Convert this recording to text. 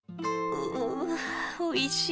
うおいしい。